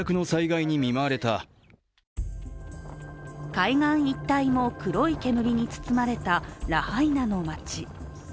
海岸一帯も黒い煙に包まれたラハイナの街。